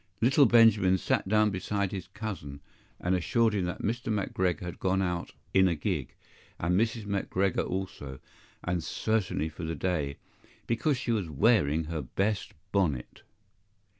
Little Benjamin sat down beside his cousin, and assured him that Mr. McGregor had gone out in a gig, and Mrs. McGregor also; and certainly for the day, because she was wearing her best bonnet.